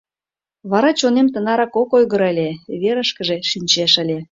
Вара чонем тынарак ок ойгыро ыле, верышкыже шинчеш ыле...